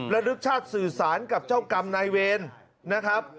ระลึกชาติสื่อสารกับเจ้ากรรมนายเวรนะครับ